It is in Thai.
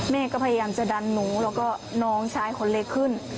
แม่ก็พยายามจะดันหนูแล้วก็น้องชายคนเล็กขึ้น